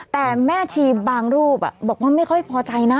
แต่แม่ชีบางรูปบอกว่าไม่ค่อยพอใจนะ